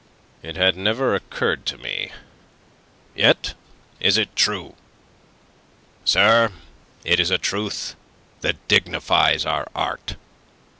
"It had never occurred to me. Yet is it true. Sir, it is a truth that dignifies our art.